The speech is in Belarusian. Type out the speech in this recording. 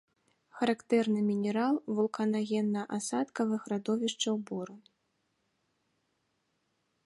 Характэрны мінерал вулканагенна-асадкавых радовішчаў бору.